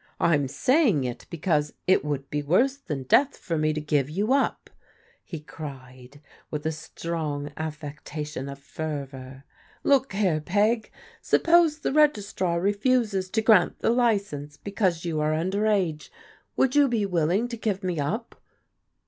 " I am saying it because it would be worse than death for me to give you up," he cried with a strong affectation of fervour. " Look here. Peg, suppose the Registrar refuses to grant the license because you are under age, would you be willing to give me up